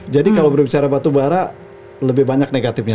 jadi kalau berbicara batubara lebih banyak negatifnya